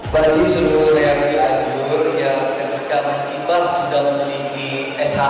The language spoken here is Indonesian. bali sulawesi agur yang ketika misi bank sudah memiliki shm